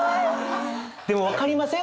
でも分かりません？